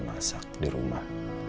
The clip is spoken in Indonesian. masak di rumah